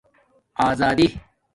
آزدی